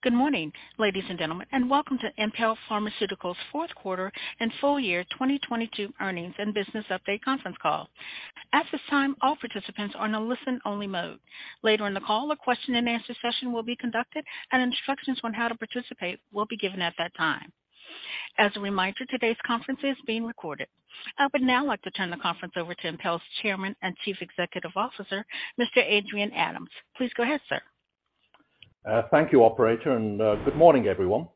Good morning, ladies and gentlemen, and welcome to Impel Pharmaceuticals Q4 and Full Year 2022 Earnings and Business Update Conference Call. At this time, all participants are in a listen-only mode. Later in the call, a question-and-answer session will be conducted, and instructions on how to participate will be given at that time. As a reminder, today's conference is being recorded. I would now like to turn the conference over to Impel's Chairman and Chief Executive Officer, Mr. Adrian Adams. Please go ahead, sir. Thank you, operator, and good morning, everyone.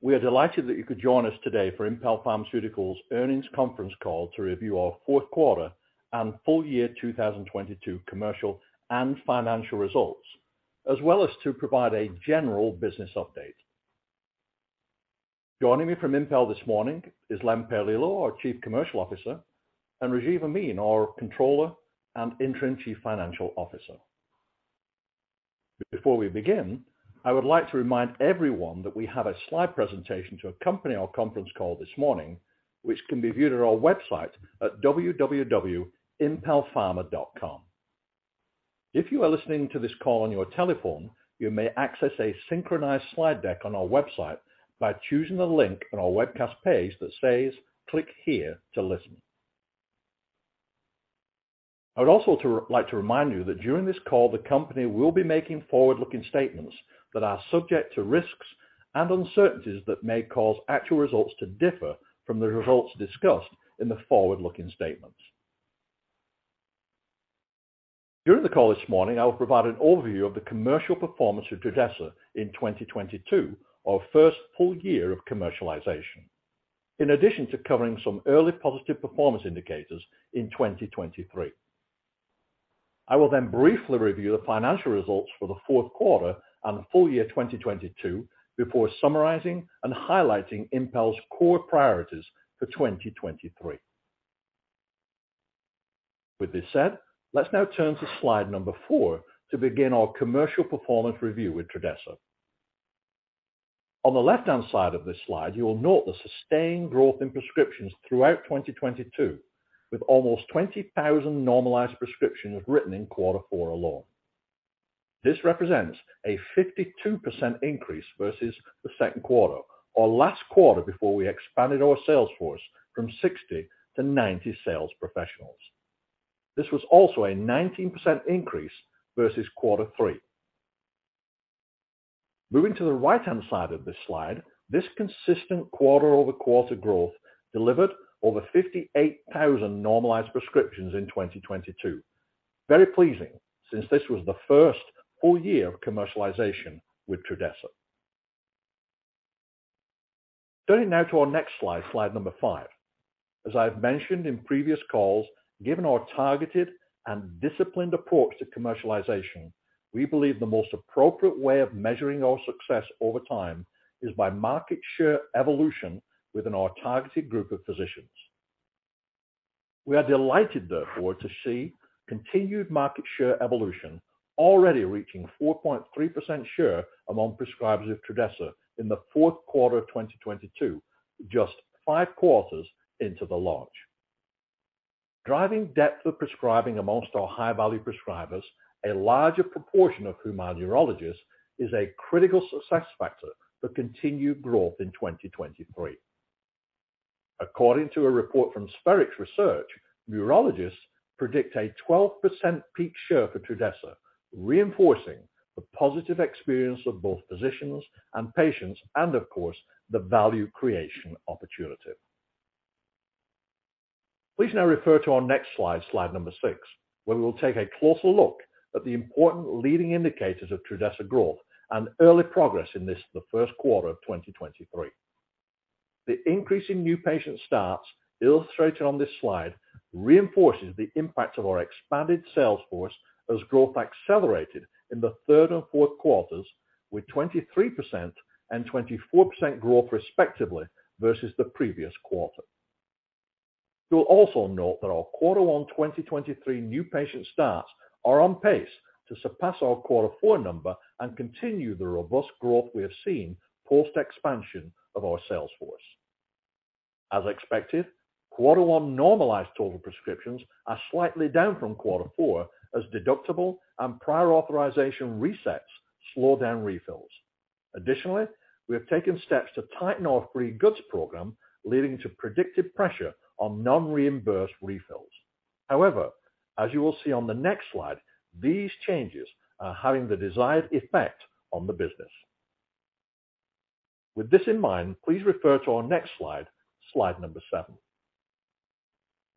We are delighted that you could join us today for Impel Pharmaceuticals Earnings Conference Call to review our Q4 and full year 2022 commercial and financial results, as well as to provide a general business update. Joining me from Impel this morning is Len Paolillo, our Chief Commercial Officer, and Rajiv Amin, our Controller and Interim Chief Financial Officer. Before we begin, I would like to remind everyone that we have a slide presentation to accompany our conference call this morning, which can be viewed at our website at www.impelpharma.com. If you are listening to this call on your telephone, you may access a synchronized slide deck on our website by choosing the link on our webcast page that says, "Click here to listen." I would also like to remind you that during this call, the company will be making forward-looking statements that are subject to risks and uncertainties that may cause actual results to differ from the results discussed in the forward-looking statements. During the call this morning, I will provide an overview of the commercial performance of Trudhesa in 2022, our first full year of commercialization. In addition to covering some early positive performance indicators in 2023. I will briefly review the financial results for the Q4 and the full year 2022 before summarizing and highlighting Impel's core priorities for 2023. With this said, let's now turn to slide 4 to begin our commercial performance review with Trudhesa. On the left-hand side of this slide, you will note the sustained growth in prescriptions throughout 2022, with almost 20,000 normalized prescriptions written in Q4 alone. This represents a 52% increase versus the Q2 or last quarter before we expanded our sales force from 60 to 90 sales professionals. This was also a 19% increase versus Q3. Moving to the right-hand side of this slide, this consistent quarter-over-quarter growth delivered over 58,000 normalized prescriptions in 2022. Very pleasing since this was the first full year of commercialization with Trudhesa. Turning now to our next slide 5. As I've mentioned in previous calls, given our targeted and disciplined approach to commercialization, we believe the most appropriate way of measuring our success over time is by market share evolution within our targeted group of physicians. We are delighted, therefore, to see continued market share evolution already reaching 4.3% share among prescribers of Trudhesa in the Q4 of 2022, just five quarters into the launch. Driving depth of prescribing amongst our high-value prescribers, a larger proportion of whom are neurologists, is a critical success factor for continued growth in 2023. According to a report from Spherix Research, neurologists predict a 12% peak share for Trudhesa, reinforcing the positive experience of both physicians and patients and of course, the value creation opportunity. Please now refer to our next slide number 6, where we will take a closer look at the important leading indicators of Trudhesa growth and early progress in this, the Q1 of 2023. The increase in new patient starts illustrated on this slide reinforces the impact of our expanded sales force as growth accelerated in the Q3 and Q4 with 23% and 24% growth respectively versus the previous quarter. You'll also note that our Q1 2023 new patient starts are on pace to surpass our Q4 number and continue the robust growth we have seen post-expansion of our sales force. As expected, Q1 normalized total prescriptions are slightly down from Q4 as deductible and prior authorization resets slow down refills. Additionally, we have taken steps to tighten our free goods program, leading to predicted pressure on non-reimbursed refills. As you will see on the next slide, these changes are having the desired effect on the business. With this in mind, please refer to our next slide number 7.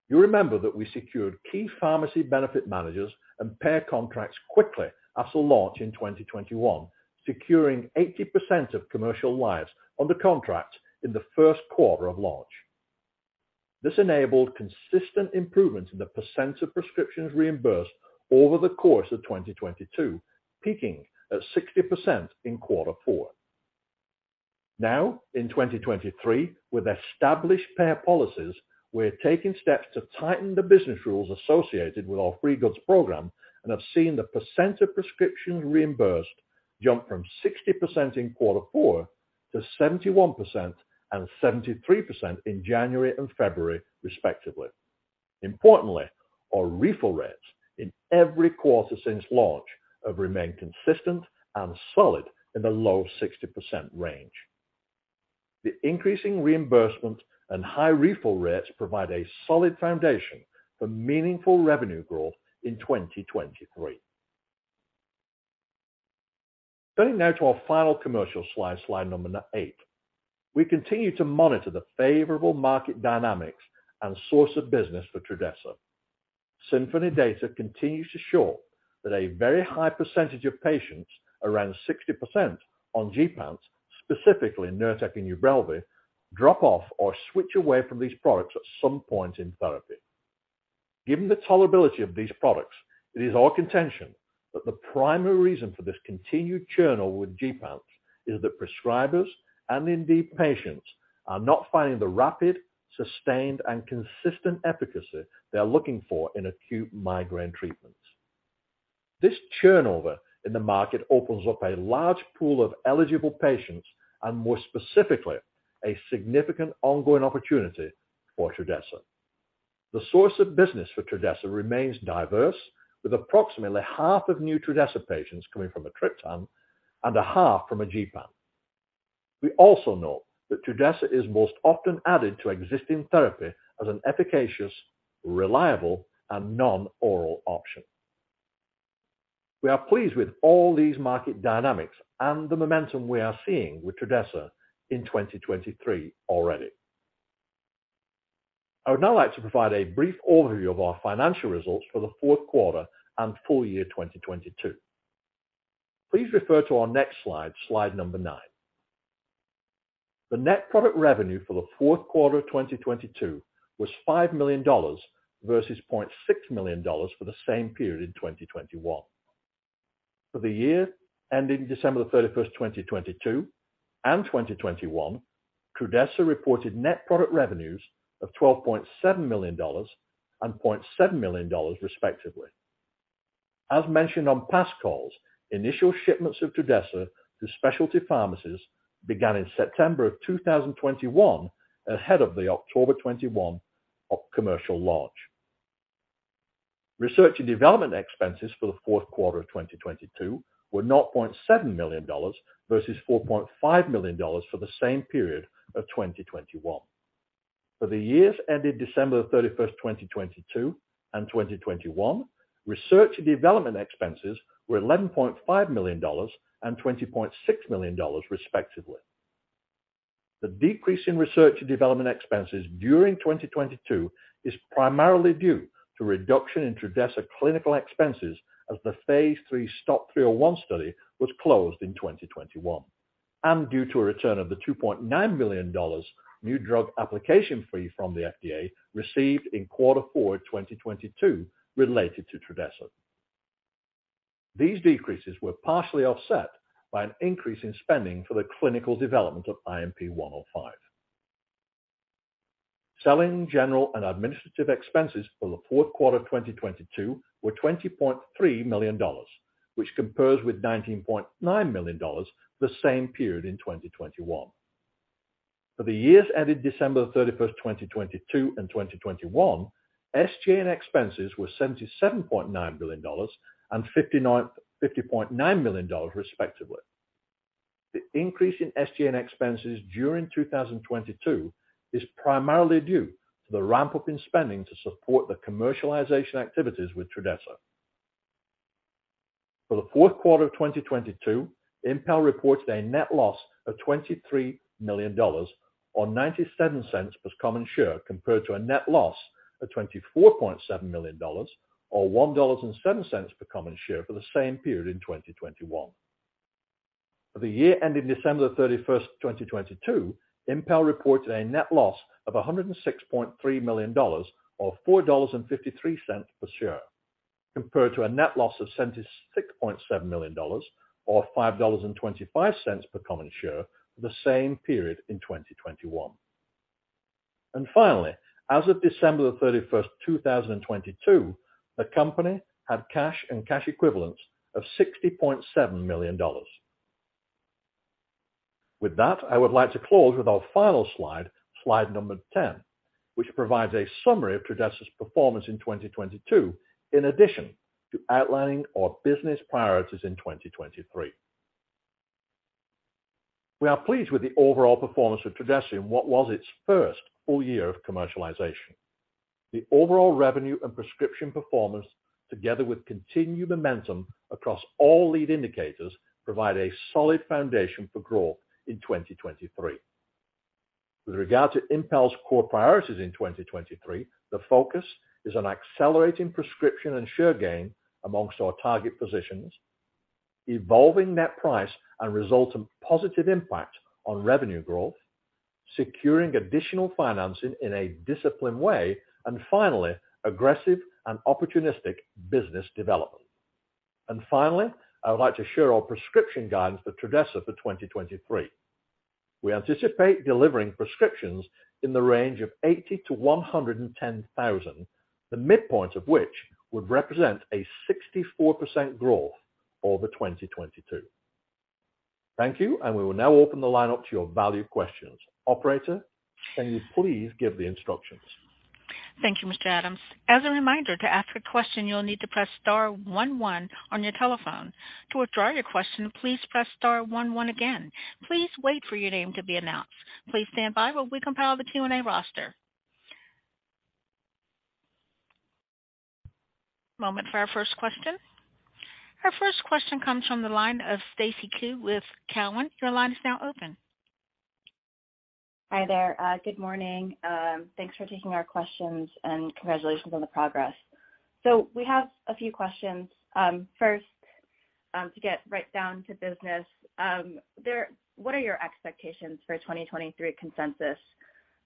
You remember that we secured key pharmacy benefit managers and payer contracts quickly after launch in 2021, securing 80% of commercial lives under contract in the Q1 of launch. This enabled consistent improvements in the percent of prescriptions reimbursed over the course of 2022, peaking at 60% in Q4. Now, in 2023, with established payer policies, we're taking steps to tighten the business rules associated with our free goods program and have seen the percent of prescriptions reimbursed jump from 60% in Q4 to 71% and 73% in January and February, respectively. Importantly, our refill rates in every quarter since launch have remained consistent and solid in the low 60% range. The increasing reimbursement and high refill rates provide a solid foundation for meaningful revenue growth in 2023. Turning now to our final commercial slide number 8. We continue to monitor the favorable market dynamics and source of business for Trudhesa. Symphony data continues to show that a very high percentage of patients, around 60% on Gepants, specifically Nurtec and Ubrelvy, drop off or switch away from these products at some point in therapy. Given the tolerability of these products, it is our contention that the primary reason for this continued churn on with Gepants is that prescribers and indeed patients are not finding the rapid, sustained, and consistent efficacy they're looking for in acute migraine treatments. This turnover in the market opens up a large pool of eligible patients and more specifically, a significant ongoing opportunity for Trudhesa. The source of business for Trudhesa remains diverse with approximately half of new Trudhesa patients coming from a triptan and a half from a Gepant. We also know that Trudhesa is most often added to existing therapy as an efficacious, reliable, and non-oral option. We are pleased with all these market dynamics and the momentum we are seeing with Trudhesa in 2023 already. I would now like to provide a brief overview of our financial results for the Q4 and full year 2022. Please refer to our next slide number 9. The net product revenue for the Q4 of 2022 was $5 million versus $0.6 million for the same period in 2021. For the year ending December 31st, 2022 and 2021, Trudhesa reported net product revenues of $12.7 million and $0.7 million respectively. As mentioned on past calls, initial shipments of Trudhesa to specialty pharmacies began in September 2021 ahead of the October 2021 commercial launch. Research and development expenses for the Q4 of 2022 were $0.7 million versus $4.5 million for the same period of 2021. For the years ending December 31st, 2022 and 2021, research and development expenses were $11.5 million and $20.6 million respectively. The decrease in research and development expenses during 2022 is primarily due to reduction in Trudhesa clinical expenses as the phase 3 STOP 301 study was closed in 2021, due to a return of the $2.9 million New Drug Application fee from the FDA received in Q4, 2022 related to Trudhesa. These decreases were partially offset by an increase in spending for the clinical development of INP105. Selling, general, and administrative expenses for the Q4 2022 were $20.3 million, which compares with $19.9 million the same period in 2021. For the years ending December the 31st, 2022 and 2021, SG&A expenses were $77.9 million and $50.9 million respectively. The increase in SG&A expenses during 2022 is primarily due to the ramp up in spending to support the commercialization activities with Trudhesa. For Q4 of 2022, Impel reported a net loss of $23 million or $0.97 per common share, compared to a net loss of $24.7 million or $1.07 per common share for the same period in 2021. For the year ending December the 31st, 2022, Impel reported a net loss of $106.3 million or $4.53 per share, compared to a net loss of $76.7 million or $5.25 per common share the same period in 2021. Finally, as of December the 31st, 2022, the company had cash and cash equivalents of $60.7 million. With that, I would like to close with our final slide number 10, which provides a summary of Trudhesa's performance in 2022 in addition to outlining our business priorities in 2023. We are pleased with the overall performance of Trudhesa in what was its first full year of commercialization. The overall revenue and prescription performance together with continued momentum across all lead indicators provide a solid foundation for growth in 2023. With regard to Impel's core priorities in 2023, the focus is on accelerating prescription and share gain amongst our target positions, evolving net price and resultant positive impact on revenue growth, securing additional financing in a disciplined way, and finally, aggressive and opportunistic business development. Finally, I would like to share our prescription guidance for Trudhesa for 2023. We anticipate delivering prescriptions in the range of 80,000-110,000. The midpoint of which would represent a 64% growth over 2022. Thank you. We will now open the line up to your valued questions. Operator, can you please give the instructions? Thank you, Mr. Adams. As a reminder, to ask a question, you'll need to press star one one on your telephone. To withdraw your question, please press star one one again. Please wait for your name to be announced. Please stand by while we compile the Q&A roster. Moment for our first question. Our first question comes from the line of Stacy Ku with Cowen. Your line is now open. Hi there. Good morning. Thanks for taking our questions and congratulations on the progress. We have a few questions. First, to get right down to business, what are your expectations for 2023 consensus?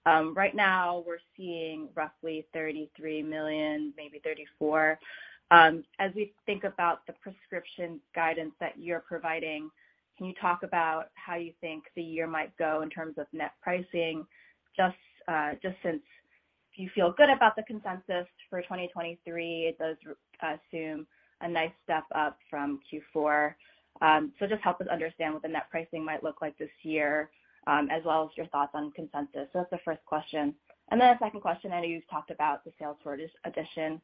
Right now we're seeing roughly $33 million, maybe $34 million. As we think about the prescription guidance that you're providing, can you talk about how you think the year might go in terms of net pricing? Just since do you feel good about the consensus for 2023? It does assume a nice step up from Q4. Just help us understand what the net pricing might look like this year, as well as your thoughts on consensus. That's the first question. A second question, I know you've talked about the sales force addition,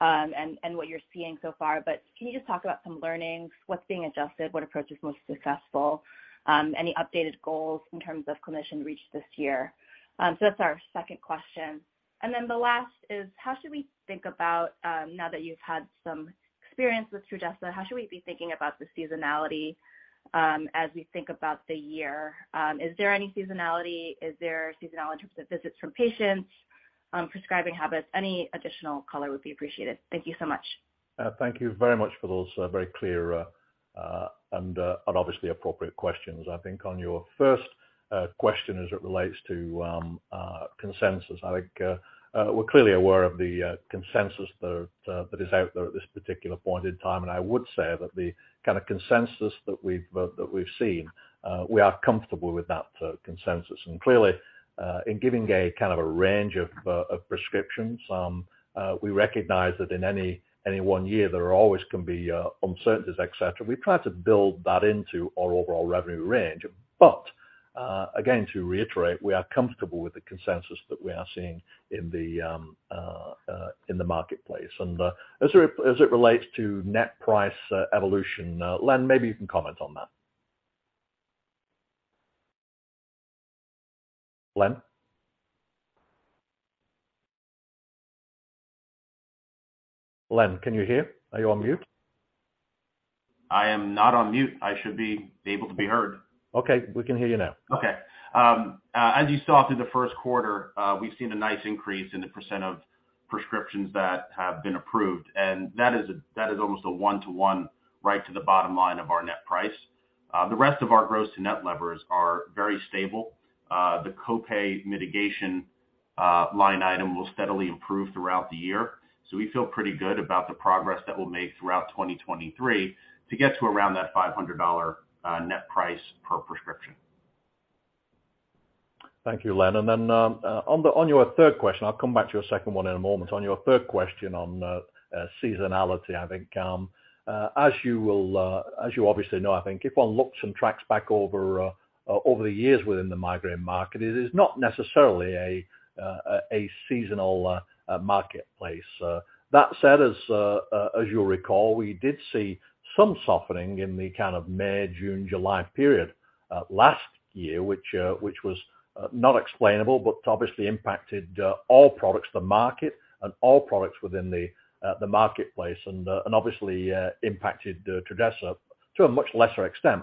and what you're seeing so far, but can you just talk about some learnings, what's being adjusted, what approach is most successful, any updated goals in terms of clinician reach this year? That's our second question. The last is, how should we think about, now that you've had some experience with Trudhesa, how should we be thinking about the seasonality, as we think about the year? Is there any seasonality? Is there seasonality in terms of visits from patients, prescribing habits? Any additional color would be appreciated. Thank you so much. Thank you very much for those very clear and obviously appropriate questions. I think on your first question as it relates to consensus, I think we're clearly aware of the consensus that is out there at this particular point in time. I would say that the kind of consensus that we've that we've seen, we are comfortable with that consensus. Clearly, in giving a kind of a range of prescriptions, we recognize that in any one year, there are always can be uncertainties, et cetera. We try to build that into our overall revenue range. Again, to reiterate, we are comfortable with the consensus that we are seeing in the marketplace. As it relates to net price, evolution, Len, maybe you can comment on that. Len? Len, can you hear? Are you on mute? I am not on mute. I should be able to be heard. Okay. We can hear you now. Okay. As you saw through the Q1, we've seen a nice increase in the percent of prescriptions that have been approved, and that is almost a one-to-one right to the bottom line of our net price. The rest of our gross-to-net levers are very stable. The co-pay mitigation line item will steadily improve throughout the year. We feel pretty good about the progress that we'll make throughout 2023 to get to around that $500 net price per prescription. Thank you, Len. On your third question, I'll come back to your second one in a moment. On your third question on seasonality, I think, as you will, as you obviously know, I think if one looks and tracks back over the years within the migraine market, it is not necessarily a seasonal marketplace. That said, as you'll recall, we did see some softening in the kind of May/June/July period last year, which was not explainable, but obviously impacted all products, the market and all products within the marketplace and obviously impacted Trudhesa to a much lesser extent.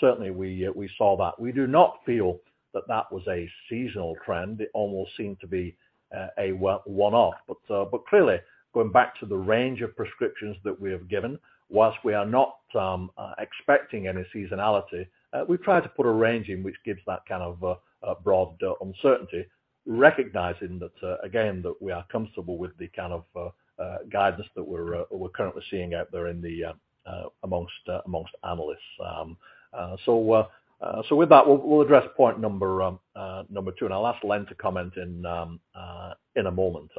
Certainly we saw that. We do not feel that that was a seasonal trend. It almost seemed to be a one off. Clearly, going back to the range of prescriptions that we have given, whilst we are not expecting any seasonality, we've tried to put a range in which gives that kind of broad uncertainty, recognizing that again, that we are comfortable with the kind of guidance that we're currently seeing out there in the amongst analysts. So with that, we'll address point number two, and I'll ask Len to comment in a moment.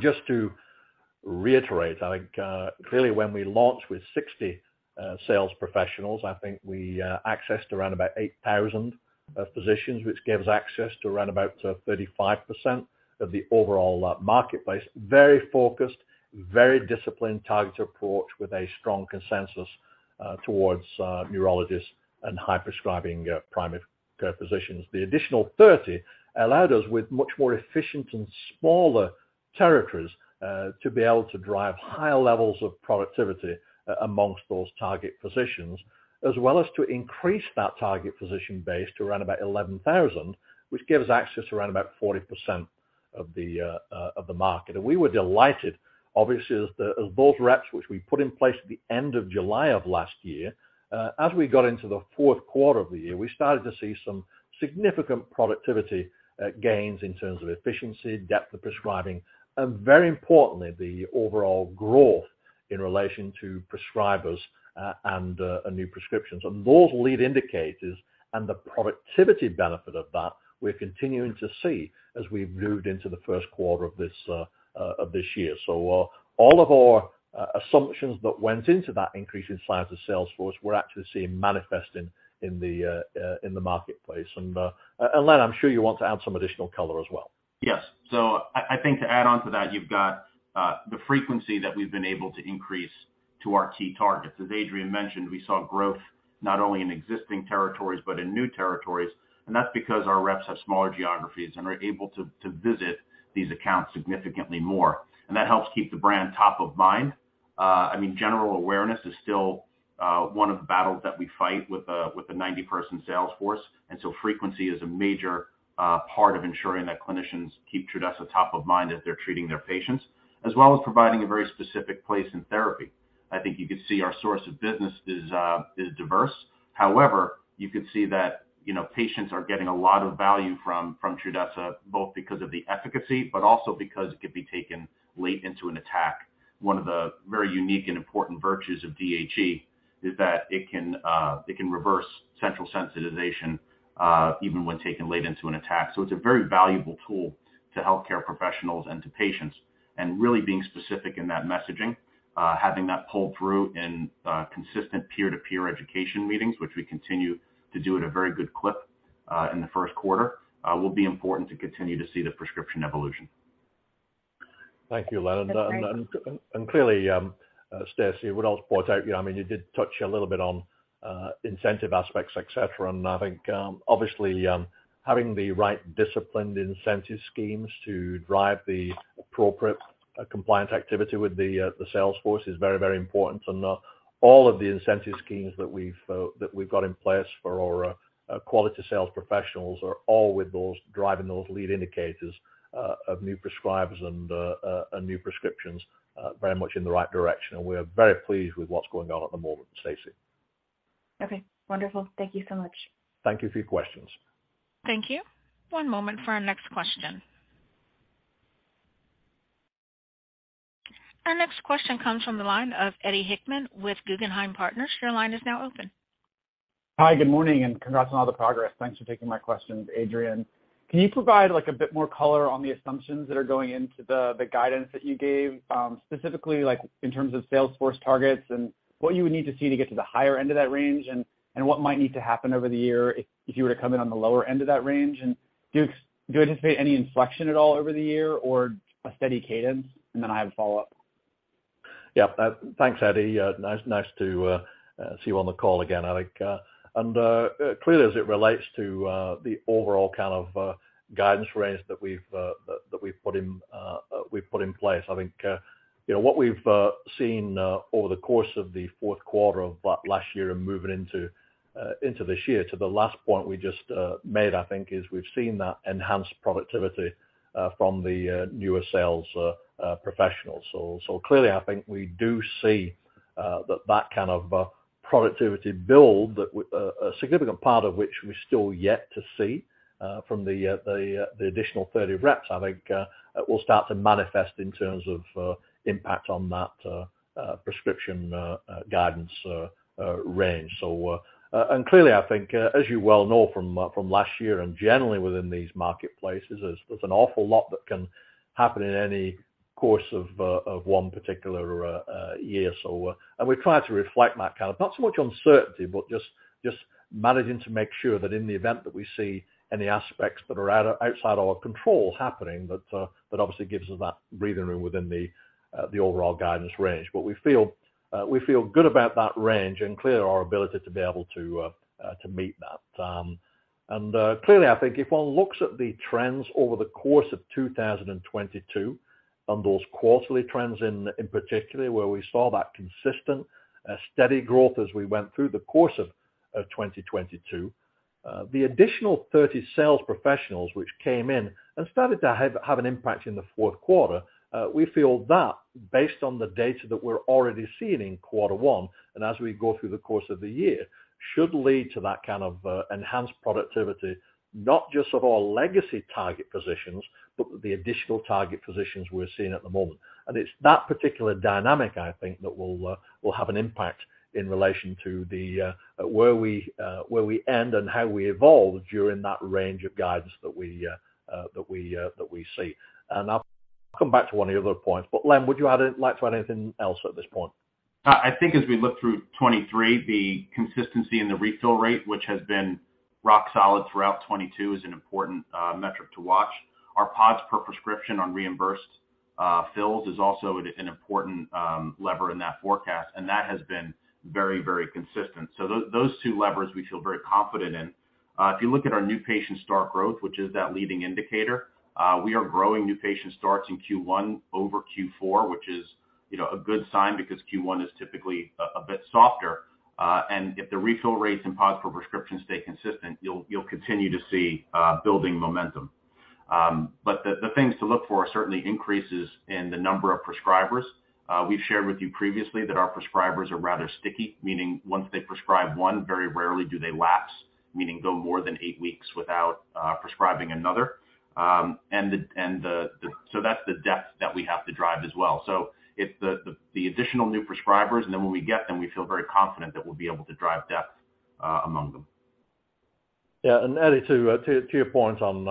Just to reiterate, I think, clearly when we launched with 60 sales professionals, I think we accessed around about 8,000 physicians, which gave us access to around about 35% of the overall marketplace. Very focused, very disciplined, targeted approach with a strong consensus towards neurologists and high prescribing primary care physicians. The additional 30 allowed us with much more efficient and smaller territories to be able to drive higher levels of productivity amongst those target physicians, as well as to increase that target physician base to around about 11,000, which gave us access to around about 40% of the market. We were delighted, obviously, as those reps which we put in place at the end of July of last year. As we got into the Q4 of the year, we started to see some significant productivity gains in terms of efficiency, depth of prescribing, and very importantly, the overall growth in relation to prescribers and new prescriptions. Those lead indicators and the productivity benefit of that we're continuing to see as we've moved into the Q1 of this year. All of our assumptions that went into that increase in size of sales force, we're actually seeing manifesting in the marketplace. Len, I'm sure you want to add some additional color as well. Yes. I think to add on to that, you've got the frequency that we've been able to increase to our key targets. As Adrian mentioned, we saw growth not only in existing territories but in new territories. That's because our reps have smaller geographies and are able to visit these accounts significantly more. That helps keep the brand top of mind. I mean, general awareness is still one of the battles that we fight with the 90-person sales force. Frequency is a major part of ensuring that clinicians keep Trudhesa top of mind as they're treating their patients, as well as providing a very specific place in therapy. I think you could see our source of business is diverse. You could see that, you know, patients are getting a lot of value from Trudhesa both because of the efficacy, but also because it could be taken late into an attack. One of the very unique and important virtues of DHE is that it can reverse central sensitization even when taken late into an attack. It's a very valuable tool to healthcare professionals and to patients. Really being specific in that messaging, having that pull through in consistent peer-to-peer education meetings, which we continue to do at a very good clip in the Q1, will be important to continue to see the prescription evolution. Thank you, Len. That's great. Clearly, Stacy, I would also point out, you know, I mean, you did touch a little bit on incentive aspects, et cetera. I think, obviously, having the right disciplined incentive schemes to drive the appropriate compliance activity with the sales force is very, very important. All of the incentive schemes that we've got in place for our quality sales professionals are all with those driving those lead indicators of new prescribers and new prescriptions very much in the right direction. We're very pleased with what's going on at the moment, Stacy. Okay. Wonderful. Thank you so much. Thank you for your questions. Thank you. One moment for our next question. Our next question comes from the line of Eddie Hickman with Guggenheim Partners. Your line is now open. Hi, good morning, and congrats on all the progress. Thanks for taking my questions. Adrian, can you provide like a bit more color on the assumptions that are going into the guidance that you gave, specifically like in terms of sales force targets and what you would need to see to get to the higher end of that range and what might need to happen over the year if you were to come in on the lower end of that range? Do you anticipate any inflection at all over the year or a steady cadence? Then I have a follow-up. Yeah. Thanks, Eddie. Nice to, see you on the call again, Eddie. Clearly as it relates to, the overall kind of, guidance range that we've, that we've put in, we've put in place, I think, you know, what we've, seen, over the course of the Q4 of last year and moving into this year, to the last point we just, made, I think is we've seen that enhanced productivity, from the, newer sales, professionals. Clearly, I think we do see, that kind of, productivity build that a significant part of which we're still yet to see, from the additional third of reps, I think, will start to manifest in terms of, impact on that, prescription, guidance, range. Clearly, I think, as you well know from last year and generally within these marketplaces, there's an awful lot that can happen in any course of one particular, year. And we try to reflect that kind of not so much uncertainty, but just managing to make sure that in the event that we see any aspects that are outside our control happening, that obviously gives us that breathing room within the overall guidance range. We feel, we feel good about that range and clearly our ability to be able to meet that. Clearly, I think if one looks at the trends over the course of 2022 and those quarterly trends in particular, where we saw that consistent, steady growth as we went through the course of 2022, the additional 30 sales professionals which came in and started to have an impact in the Q4, we feel that based on the data that we're already seeing in Q1 and as we go through the course of the year, should lead to that kind of, enhanced productivity, not just of our legacy target positions, but the additional target positions we're seeing at the moment. It's that particular dynamic I think that will have an impact in relation to the, where we end and how we evolve during that range of guidance that we see. I'll come back to one of the other points. Len, would you like to add anything else at this point? I think as we look through 2023, the consistency in the refill rate, which has been rock solid throughout 2022, is an important metric to watch. Our PODs per prescription on reimbursed fills is also an important lever in that forecast, and that has been very consistent. Those two levers we feel very confident in. If you look at our new patient start growth, which is that leading indicator, we are growing new patient starts in Q1 over Q4, which is, you know, a good sign because Q1 is typically a bit softer. If the refill rates and PODs per prescription stay consistent, you'll continue to see building momentum. The things to look for are certainly increases in the number of prescribers. We've shared with you previously that our prescribers are rather sticky, meaning once they prescribe one, very rarely do they lapse, meaning go more than eight weeks without prescribing another. That's the depth that we have to drive as well. It's the additional new prescribers, and then when we get them, we feel very confident that we'll be able to drive depth among them. Yeah. Eddie, to your point on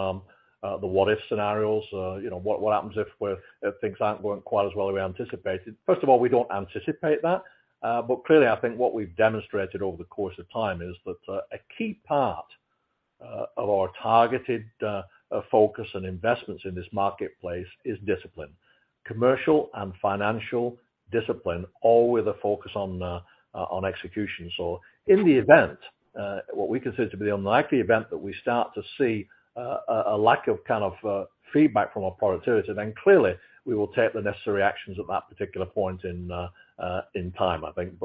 the what if scenarios, you know, what happens if things aren't going quite as well as we anticipated. First of all, we don't anticipate that. But clearly, I think what we've demonstrated over the course of time is that a key part of our targeted focus and investments in this marketplace is discipline. Commercial and financial discipline, all with a focus on execution. In the event, what we consider to be the unlikely event that we start to see a lack of kind of feedback from our productivity, then clearly we will take the necessary actions at that particular point in time, I think.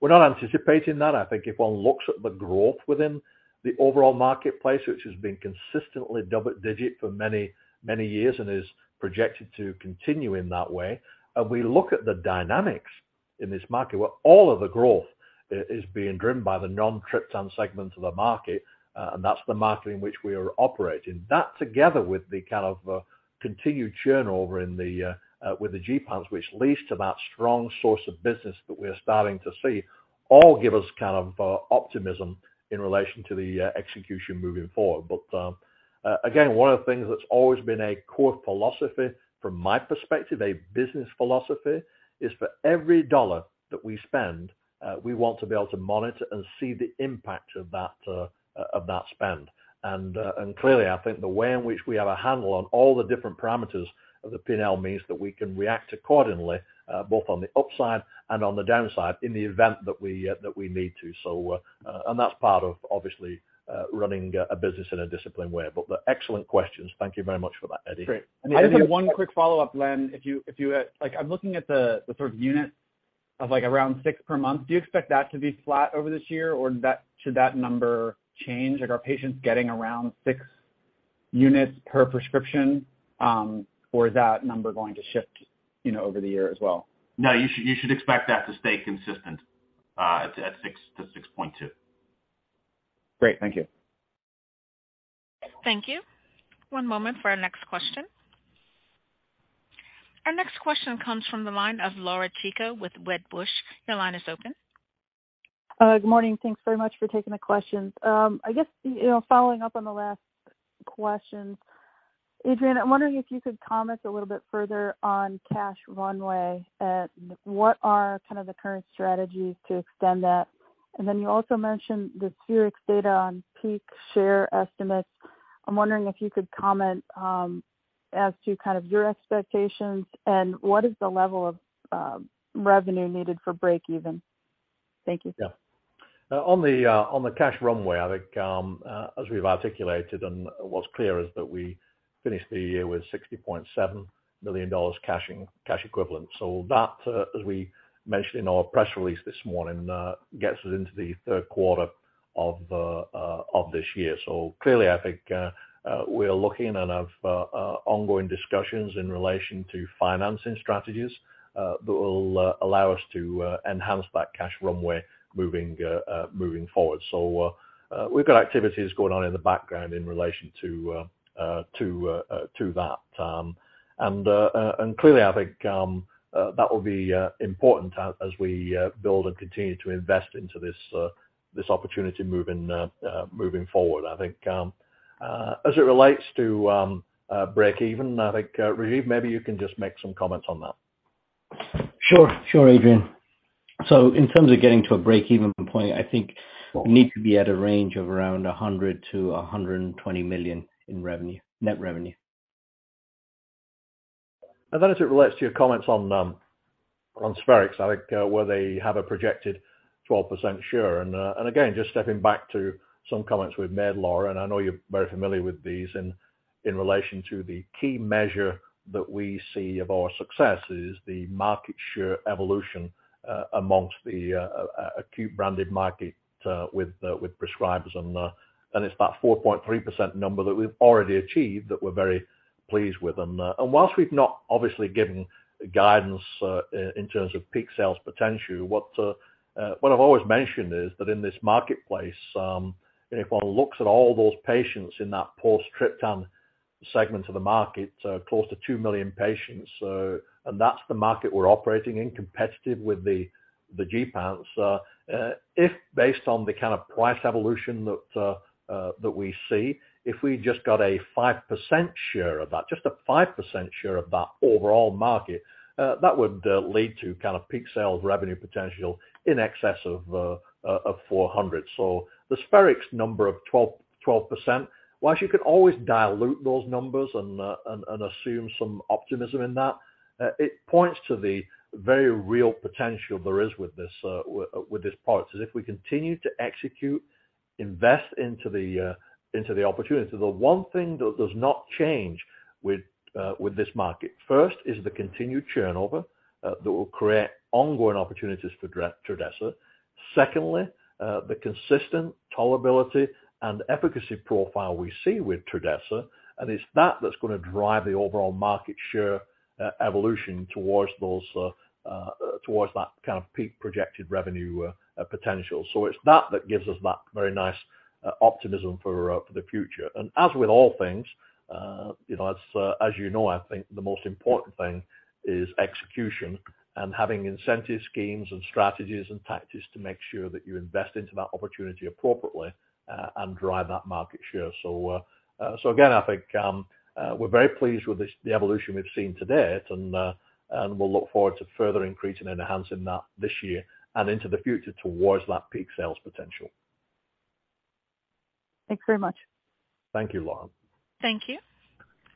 We're not anticipating that. I think if one looks at the growth within the overall marketplace, which has been consistently double digit for many, many years and is projected to continue in that way, and we look at the dynamics in this market, where all of the growth is being driven by the non-triptan segment of the market, and that's the market in which we are operating. That together with the kind of continued churn over in the with the Gepants, which leads to that strong source of business that we're starting to see, all give us kind of optimism in relation to the execution moving forward. Again, one of the things that's always been a core philosophy from my perspective, a business philosophy, is for every dollar that we spend, we want to be able to monitor and see the impact of that of that spend. Clearly, I think the way in which we have a handle on all the different parameters of the P&L means that we can react accordingly, both on the upside and on the downside in the event that we that we need to. That's part of, obviously, running a business in a disciplined way. They're excellent questions. Thank you very much for that, Eddie. Great. I just have one quick follow-up, Len. like I'm looking at the sort of units of like around six per month. Do you expect that to be flat over this year, or should that number change? Like, are patients getting around six units per prescription, or is that number going to shift, you know, over the year as well? No, you should expect that to stay consistent, at six to six point two. Great. Thank you. Thank you. One moment for our next question. Our next question comes from the line of Laura Chico with Wedbush. Your line is open. Good morning. Thanks very much for taking the questions. I guess, you know, following up on the last question. Adrian, I'm wondering if you could comment a little bit further on cash runway. What are kind of the current strategies to extend that? Then you also mentioned the Spherix data on peak share estimates. I'm wondering if you could comment as to kind of your expectations and what is the level of revenue needed for break even. Thank you. Yeah. On the on the cash runway, I think, as we've articulated and what's clear is that we finished the year with $60.7 million cash equivalent. That, as we mentioned in our press release this morning, gets us into the Q3 of this year. Clearly, I think, we are looking and have ongoing discussions in relation to financing strategies that will allow us to enhance that cash runway moving moving forward. We've got activities going on in the background in relation to to to that. Clearly, I think, that will be important as we build and continue to invest into this this opportunity moving moving forward. I think, as it relates to break even, I think Rajiv Amin, maybe you can just make some comments on that. Sure. Sure, Adrian. In terms of getting to a break-even point, I think we need to be at a range of around $100 million-$120 million in revenue, net revenue. As it relates to your comments on Spherix, I think, where they have a projected 12% share. Again, just stepping back to some comments we've made, Laura, and I know you're very familiar with these in relation to the key measure that we see of our success is the market share evolution, amongst the acute branded markets, with prescribers. It's that 4.3% number that we've already achieved that we're very pleased with. Whilst we've not obviously given guidance in terms of peak sales potential, what I've always mentioned is that in this marketplace, if one looks at all those patients in that post triptan segment of the market, close to two million patients, and that's the market we're operating in, competitive with the Gepants. If based on the kind of price evolution that we see, if we just got a 5% share of that, just a 5% share of that overall market, that would lead to kind of peak sales revenue potential in excess of $400 million. The Spherix number of 12%, whilst you can always dilute those numbers and assume some optimism in that, it points to the very real potential there is with this product. If we continue to execute, invest into the opportunity. The one thing that does not change with this market. First is the continued churn over that will create ongoing opportunities for Trudhesa. Secondly, the consistent tolerability and efficacy profile we see with Trudhesa, and it's that that's gonna drive the overall market share, evolution towards that kind of peak projected revenue potential. It's that that gives us that very nice optimism for the future. As with all things, you know, as you know, I think the most important thing is execution and having incentive schemes and strategies and tactics to make sure that you invest into that opportunity appropriately, and drive that market share. Again, I think, we're very pleased with the evolution we've seen to date, and we'll look forward to further increasing and enhancing that this year and into the future towards that peak sales potential. Thanks very much. Thank you, Laura. Thank you.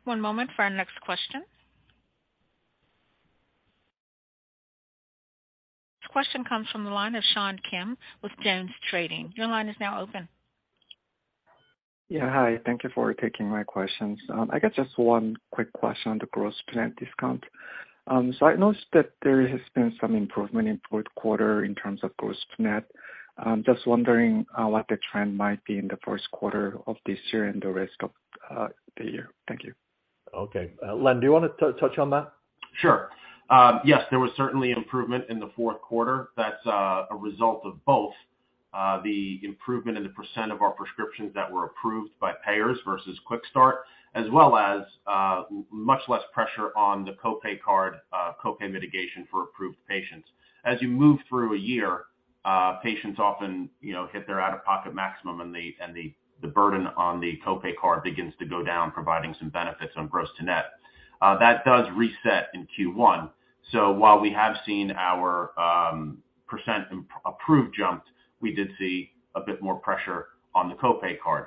One moment for our next question. This question comes from the line of Sean Kim with Jones Trading. Your line is now open. Yeah. Hi. Thank you for taking my questions. I got just one quick question on the gross-to-net discount. I noticed that there has been some improvement in Q4 in terms of gross-to-net. Just wondering what the trend might be in the Q1 of this year and the rest of the year. Thank you. Okay. Len, do you wanna to touch on that? Sure. Yes, there was certainly improvement in the Q4. That's a result of both the improvement in the percent of our prescriptions that were approved by payers versus quick start, as well as much less pressure on the co-pay card, co-pay mitigation for approved patients. As you move through a year, patients often, you know, hit their out-of-pocket maximum, and the burden on the co-pay card begins to go down, providing some benefits on gross-to-net. That does reset in Q1. While we have seen our percent approved jumped, we did see a bit more pressure on the co-pay card.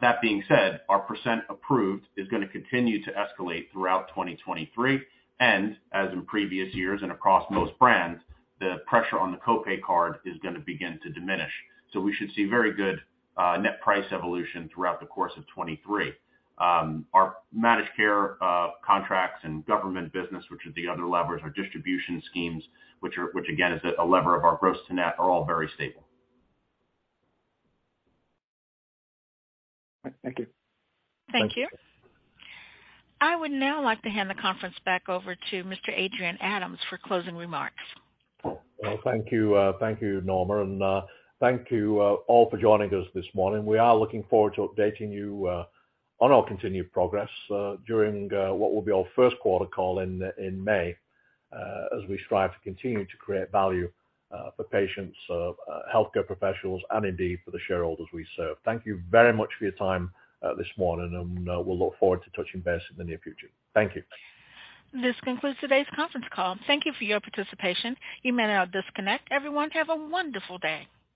That being said, our percent approved is gonna continue to escalate throughout 2023. As in previous years and across most brands, the pressure on the co-pay card is gonna begin to diminish. We should see very good, net price evolution throughout the course of 23. Our managed care, contracts and government business, which are the other levers, our distribution schemes, which again is a lever of our gross-to-net, are all very stable. Thank you. Thank you. I would now like to hand the conference back over to Mr. Adrian Adams for closing remarks. Well, thank you. Thank you, Norma, and thank you all for joining us this morning. We are looking forward to updating you on our continued progress during what will be our Q1 call in May, as we strive to continue to create value for patients, healthcare professionals, and indeed for the shareholders we serve. Thank you very much for your time this morning, and we'll look forward to touching base in the near future. Thank you. This concludes today's conference call. Thank You for your participation. You may now disconnect. Everyone, have a wonderful day.